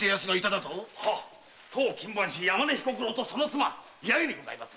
当勤番士・山根彦九郎とその妻・八重にございます。